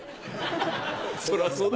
そりゃあそうだよ。